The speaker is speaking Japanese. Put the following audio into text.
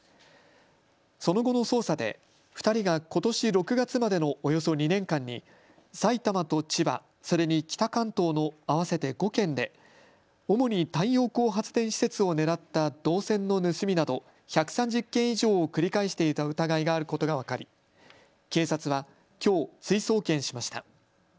その後の捜査で２人がことし６月までのおよそ２年間に埼玉と千葉、それに北関東の合わせて５県で主に太陽光発電施設を狙った銅線の盗みなど１３０件以上を繰り返していた疑いがあることが分かり警察はきょう追送検しました。